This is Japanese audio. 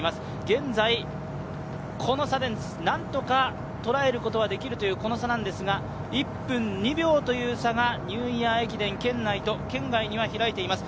現在この差で何とか捉えることはできるという差なんですが、１分２秒という差がニューイヤー駅伝圏内と、圏内をのがしています。